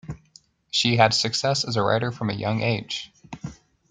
She had success as a writer from a young age.